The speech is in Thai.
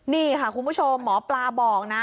นี่ค่ะคุณผู้ชมหมอปลาบอกนะ